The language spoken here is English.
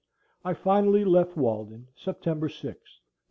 I finally left Walden September 6th, 1847.